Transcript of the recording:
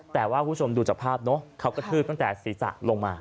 แต่ว่าคุณผู้ชมดูจากภาพเนอะเขากระทืบตั้งแต่ศีรษะลงมา